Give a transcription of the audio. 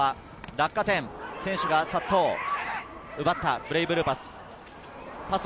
落下点に選手が殺到、奪ったブレイブルーパス。